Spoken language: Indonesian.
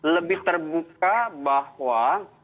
lebih terbuka bahwa